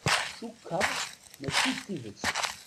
Cukkeɣ mačči d tidett.